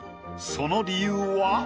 その理由は？